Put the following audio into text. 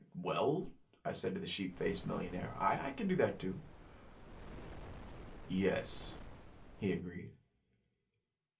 "Well," I said to the sheep faced millionaire, "I can do that, too." "Yes," he agreed.